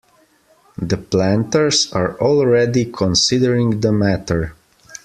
The planters are already considering the matter.